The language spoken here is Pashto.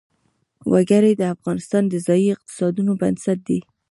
وګړي د افغانستان د ځایي اقتصادونو بنسټ دی.